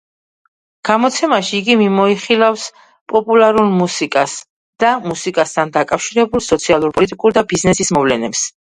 გამოცემაში იგი მიმოიხილავს პოპულარულ მუსიკას და მუსიკასთან დაკავშირებულ სოციალურ, პოლიტიკურ და ბიზნესის მოვლენებს.